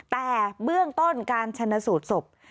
แต่เบื้องต้นการชนะสูตรศพ